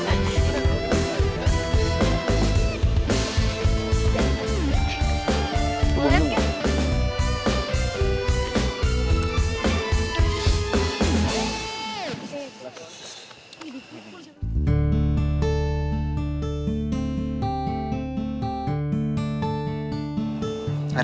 saya udah lihat